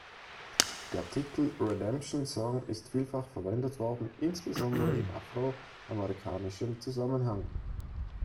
Der Titel "Redemption Song" ist vielfach verwendet worden, insbesondere im afro-amerikanischen Zusammenhang.